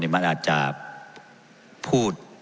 มันอาจจะพูด